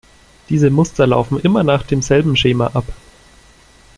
Diese Muster laufen immer nach demselben Schema ab.